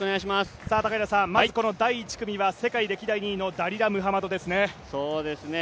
まずこの第１組は世界歴代２位のダリラ・ムハマドですね。